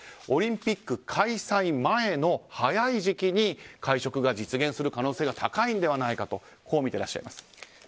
オリンピック開催前の早い時期に会食が実現する可能性が高いのではないかとこう見ていらっしゃいます。